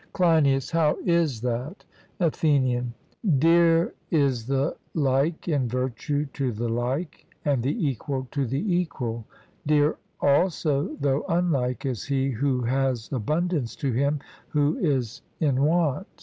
CLEINIAS: How is that? ATHENIAN: Dear is the like in virtue to the like, and the equal to the equal; dear also, though unlike, is he who has abundance to him who is in want.